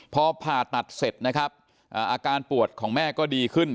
พอผ่าตัดเสร็จนะครับอาการปวดของแม่ก็ดีขึ้น